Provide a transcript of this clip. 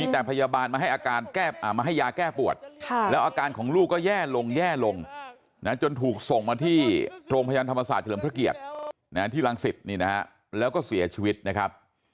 แนะนำที่รังศิษย์แล้วก็เสียชีวิตนะครับ